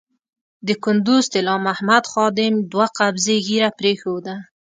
د کندز طلا محمد خادم دوه قبضې ږیره پرېښوده.